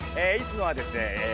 いつもはですね